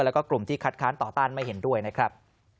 แล้วก็กลุ่มที่คัดค้านต่อต้านไม่เห็นด้วยนะครับ